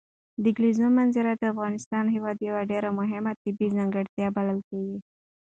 د کلیزو منظره د افغانستان هېواد یوه ډېره مهمه طبیعي ځانګړتیا بلل کېږي.